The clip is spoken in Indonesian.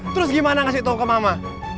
terus gimana ngasih tau ke mama